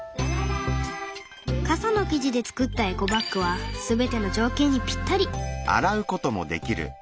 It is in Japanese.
傘の生地で作ったエコバッグは全ての条件にぴったり。